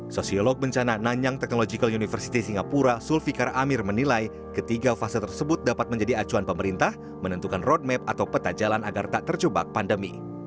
sosiolog bencana nanyang technological university singapura sulfikar amir menilai ketiga fase tersebut dapat menjadi acuan pemerintah menentukan roadmap atau peta jalan agar tak terjebak pandemi